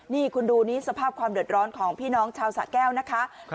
นี่คุณดูนี่สภาพความเดือดร้อนของพี่น้องชาวสะแก้วนะคะ